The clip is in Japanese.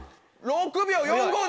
６秒４５７！